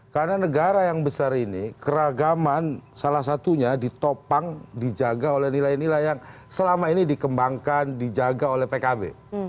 karena negara yang besar ini keragaman salah satunya ditopang dijaga oleh nilai nilai yang selama ini dikembangkan dijaga oleh pkb